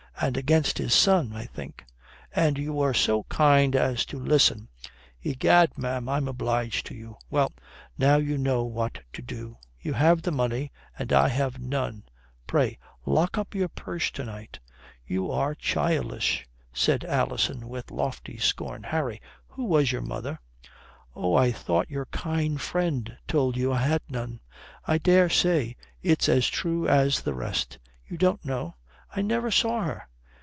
"And against his son, I think. And you were so kind as to listen. Egad, ma'am, I am obliged to you. Well, now you know what to do. You have the money and I have none. Pray, lock up your purse to night." "You are childish," said Alison with lofty scorn. "Harry who was your mother?" "Oh, I thought your kind friend told you I had none. I dare say it's as true as the rest." "You don't know?" "I never saw her."